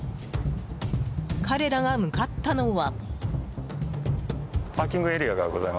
彼らが向かったのは。